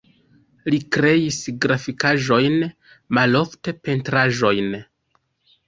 Li kreis grafikaĵojn, malofte pentraĵojn.